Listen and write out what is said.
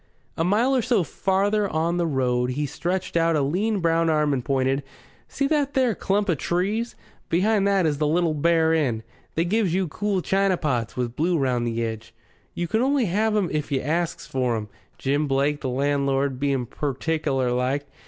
A mile or so farther on the road he stretched out a lean brown arm and pointed. "See that there clump of trees? Behind that is the Little Bear Inn. They gives you cool china pots with blue round the edge. You can only have 'em if you asks for 'em, Jim Blake, the landlord, being pertickler like.